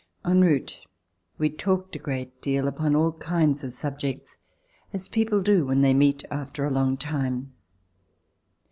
En route we talked a great deal upon all kinds of subjects, as people do when they meet after a long time.